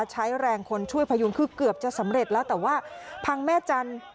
ใช้แรงคนช่วยพยุงคือเกือบจะสำเร็จแล้วแต่ว่าพังแม่จันทร์